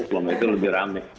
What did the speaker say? itu lebih rame